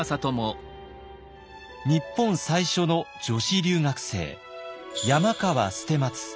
日本最初の女子留学生山川捨松。